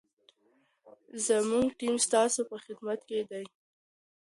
زموږ ټیم ستاسو په خدمت کي دی.